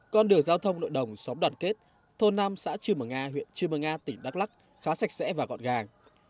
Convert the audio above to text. con đường giao thông nội đồng xóm đoàn kết thôn năm xã chư mờ nga huyện chư mơ nga tỉnh đắk lắc khá sạch sẽ và gọn gàng